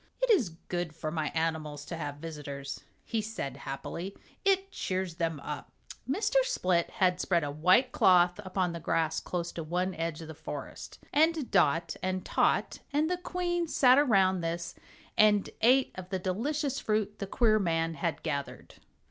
"It is good for my animals to have visitors," he said, happily, "it cheers them up." Mr. Split had spread a white cloth upon the grass close to one edge of the forest, and Dot and Tot and the Queen sat around this and ate of the delicious fruit the queer man had gathered.